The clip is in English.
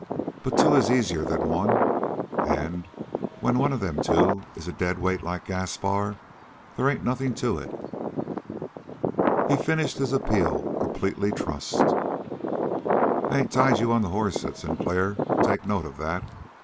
But two is easier than one, and, when one of them two is a deadweight like Gaspar, they ain't nothing to it." He finished his appeal completely trussed. "I ain't tied you on the hoss," said Sinclair. "Take note of that.